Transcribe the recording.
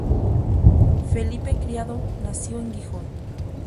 Felipe Criado nació en Gijón.